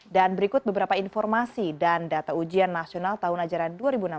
dan berikut beberapa informasi dan data ujian nasional tahun ajaran dua ribu enam belas dua ribu tujuh belas